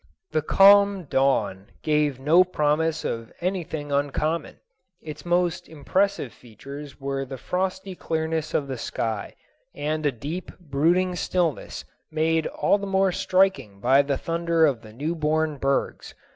The calm dawn gave no promise of anything uncommon. Its most impressive features were the frosty clearness of the sky and a deep, brooding stillness made all the more striking by the thunder of the newborn bergs.